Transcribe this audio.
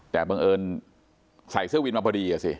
แต่บังเอิญใส่เสื้อวินมาพอดีสิ